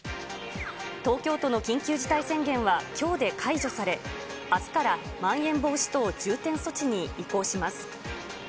東京都の緊急事態宣言はきょうで解除され、あすからまん延防止等重点措置に移行します。